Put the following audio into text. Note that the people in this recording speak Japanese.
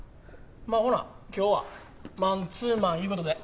まあほな今日はマンツーマンいう事で。